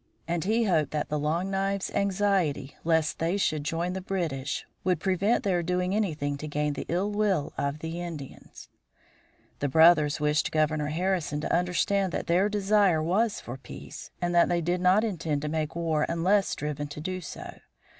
And he hoped that the Long Knives' anxiety lest they should join the British would prevent their doing anything to gain the ill will of the Indians. The brothers wished Governor Harrison to understand that their desire was for peace, and that they did not intend to make war unless driven to do so.